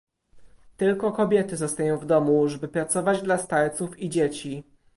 "Tylko kobiety zostają w domu, żeby pracować dla starców i dzieci."